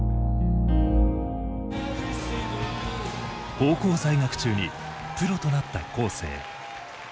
高校在学中にプロとなった恒成。